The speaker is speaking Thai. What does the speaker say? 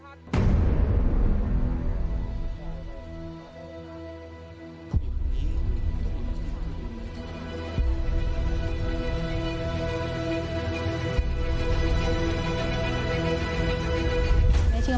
สวัสดีครับทุกคน